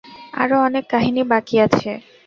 আরও অনেক কাহিনি বাকি আছে।